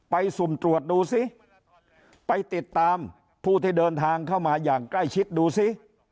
สุ่มตรวจดูซิไปติดตามผู้ที่เดินทางเข้ามาอย่างใกล้ชิดดูซิ